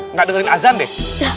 nggak dengerin azan deh